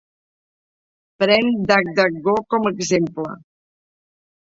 Pren DuckDuckGo com a exemple.